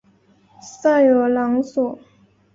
塞尔朗索。